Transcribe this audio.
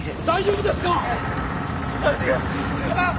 大丈夫ですか！？